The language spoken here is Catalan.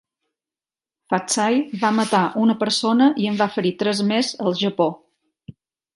Faxai va matar una persona i en va ferir tres més al Japó.